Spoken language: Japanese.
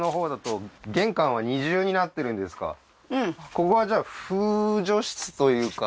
ここはじゃあ風除室というか